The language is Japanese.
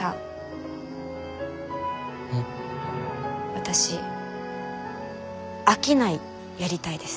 私商いやりたいです。